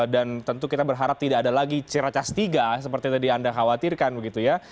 dan tentu kita berharap tidak ada lagi cirakas tiga seperti tadi anda khawatirkan begitu ya